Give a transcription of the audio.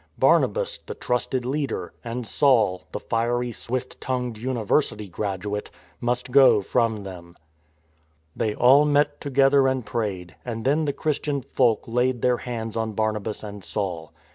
Barnabas, the trusted leader, and Saul, the fiery, swift tongued University graduate, must go from them. They all met together and prayed, and then the Christian folk laid their hands on Barnabas and Saul.